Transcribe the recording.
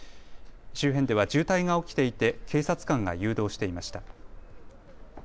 周辺では渋滞が起きていて警察官が誘導していました。